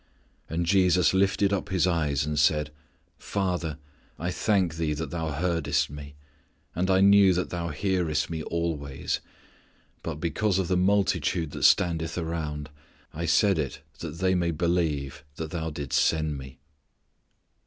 And Jesus lifted up His eyes and said, "Father, I thank Thee that Thou heardest Me; and I knew that Thou hearest Me always; but because of the multitude that standeth around I said it that they may believe that Thou didst send Me!"